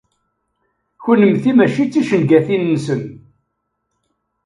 Kennemti mačči d ticengatin-nsen.